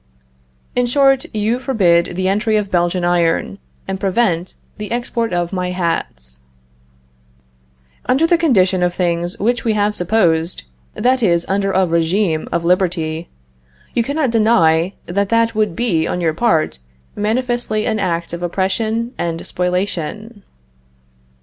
In short, you forbid the entry of the Belgian iron, and prevent the export of my hats. Under the condition of things which we have supposed (that is, under a regime of liberty), you cannot deny that that would be, on your part, manifestly an act of oppression and spoliation.